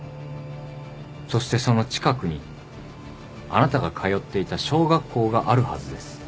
そしてその近くにあなたが通っていた小学校があるはずです。